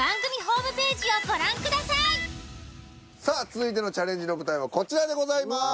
続いてのチャレンジの舞台はこちらでございます。